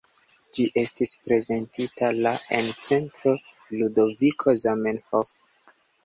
Ĝi estis prezentita la en Centro Ludoviko Zamenhof.